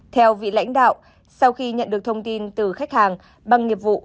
theo vị lãnh đạo sau khi nhận được thông tin từ khách hàng bằng nghiệp vụ